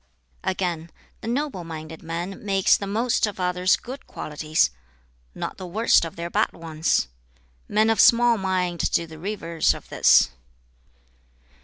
Again, "The noble minded man makes the most of others' good qualities, not the worst of their bad ones. Men of small mind do the reverse of this."